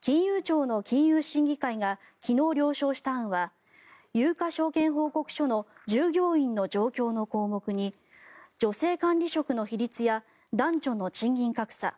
金融庁の金融審議会が昨日、了承した案は有価証券報告書の従業員の状況の項目に女性管理職の比率や男女の賃金格差